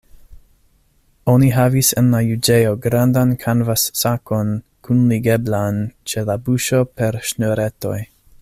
Oni havis en la juĝejo grandan kanvassakon, kunligeblan ĉe la buŝo per ŝnuretoj.